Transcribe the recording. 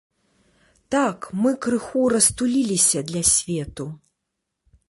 Так, мы крыху растуліліся для свету.